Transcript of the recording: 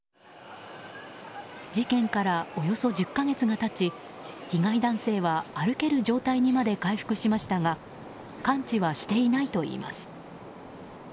事件からおよそ１０か月が経ち被害男性は歩ける状態にまで回復しましたが完治はしていないといいます。